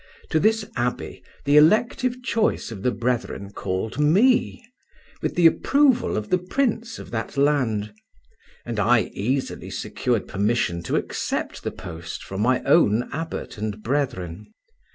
To this abbey the elective choice of the brethren called me, with the approval of the prince of that land, and I easily secured permission to accept the post from my own abbot and brethren.